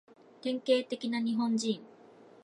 典型的な日本人